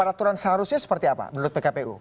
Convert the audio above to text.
peraturan seharusnya seperti apa menurut pkpu